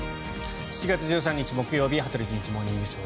７月１３日、木曜日「羽鳥慎一モーニングショー」。